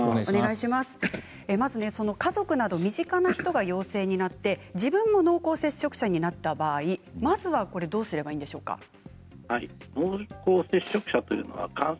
まず家族など身近な人が陽性になって自分も濃厚接触者になった場合まずはどうすればいいんでしょうか。